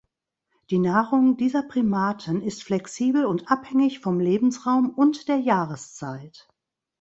Die Nahrung dieser Primaten ist flexibel und abhängig vom Lebensraum und der Jahreszeit.